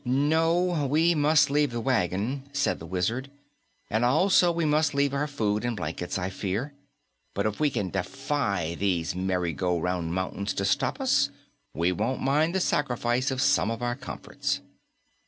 "No, we must leave the wagon," said the wizard, "and also we must leave our food and blankets, I fear. But if we can defy these Merry Go Round Mountains to stop us, we won't mind the sacrifice of some of our comforts."